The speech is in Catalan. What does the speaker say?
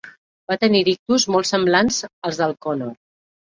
Va tenir ictus molt semblants als de Connor.